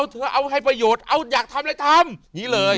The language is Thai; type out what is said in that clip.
เอาให้ประโยชน์เอาอยากทำอะไรทำนี้เลย